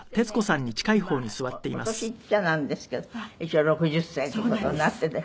そしてねまあお年言っちゃなんですけど一応６０歳という事になってて。